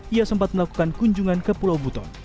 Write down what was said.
ia sempat melakukan kunjungan ke pulau buton